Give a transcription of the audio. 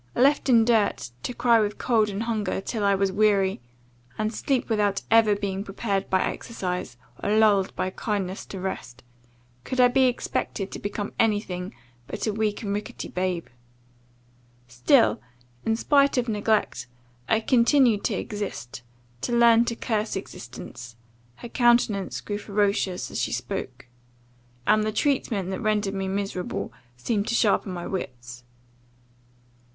Left in dirt, to cry with cold and hunger till I was weary, and sleep without ever being prepared by exercise, or lulled by kindness to rest; could I be expected to become any thing but a weak and rickety babe? Still, in spite of neglect, I continued to exist, to learn to curse existence, [her countenance grew ferocious as she spoke,] and the treatment that rendered me miserable, seemed to sharpen my wits.